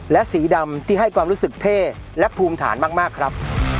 และสีดำที่ให้ความรู้สึกเท่และภูมิฐานมากครับ